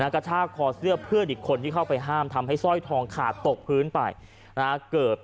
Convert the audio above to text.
กระชากคอเสื้อเพื่อนอีกคนที่เข้าไปห้ามทำให้สร้อยทองขาดตกพื้นไปนะฮะ